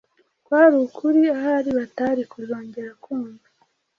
Kwari ukuri ahari batari kuzongera kumva